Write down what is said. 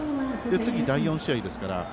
次４試合ですから。